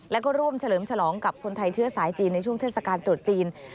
แล้วก็ร่วมเฉลิมฉลองกับคนไทยเชื้อสายจีนในช่วงเทศกาลตรุษจีน